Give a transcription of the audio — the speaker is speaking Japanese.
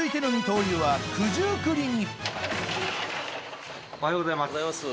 おはようございます。